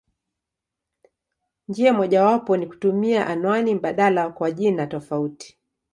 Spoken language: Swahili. Njia mojawapo ni kutumia anwani mbadala kwa jina tofauti.